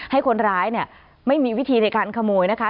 ให้คนร้ายเนี่ยไม่มีวิธีในการขโมยนะคะ